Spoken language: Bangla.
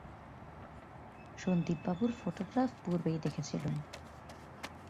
সন্দীপবাবুর ফোটোগ্রাফ পূর্বেই দেখেছিলুম।